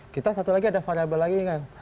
kita satu lagi ada variabel lagi kan